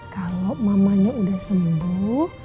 kalo mamanya udah sembuh